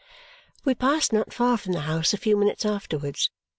We passed not far from the house a few minutes afterwards.